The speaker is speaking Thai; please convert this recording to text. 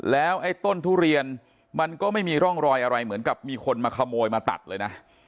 แล้วไอ้ต้นทุเรียนมันก็ไม่มีร่องรอยอะไรเหมือนกับมีคนมาขโมยมาตัดเลยนะ